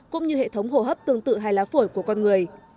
cũng như hệ thống hồ hấp tương tự hai lá phổi của con người